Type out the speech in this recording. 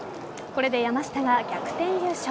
これで山下が逆転優勝。